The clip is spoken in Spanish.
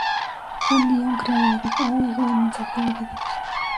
Un día, un criado le dijo: "¡Oh hijo del Mensajero de Dios!